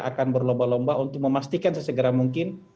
akan berlomba lomba untuk memastikan sesegera mungkin